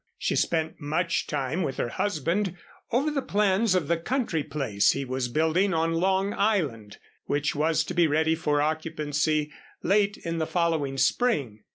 She spent much time with her husband over the plans of the country place he was building on Long Island, which was to be ready for occupancy late in the following spring.